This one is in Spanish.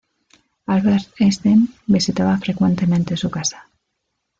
Albert Einstein visitaba frecuentemente su casa.